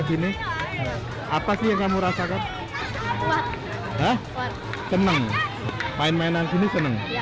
sekarang umur berapa tuh